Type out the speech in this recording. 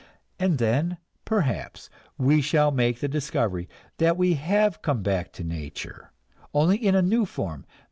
And then, perhaps, we shall make the discovery that we have come back to nature, only in a new form.